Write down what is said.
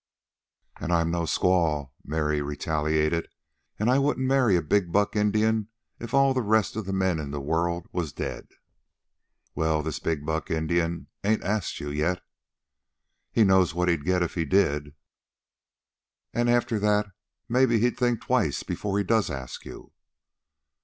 "And I'm no squaw," Mary retaliated, "an' I wouldn't marry a big buck Indian if all the rest of the men in the world was dead." "Well this big buck Indian ain't asked you yet." "He knows what he'd get if he did." "And after that maybe he'll think twice before he does ask you."